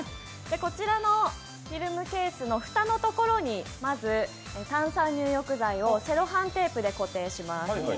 こちらのフィルムケースの蓋のところにまず炭酸入浴剤をセロハンテープで固定します。